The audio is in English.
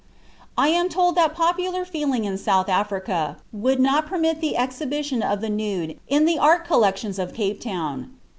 I am told that popular feeling in South Africa would not permit the exhibition of the nude in the Art Collections of Cape Town.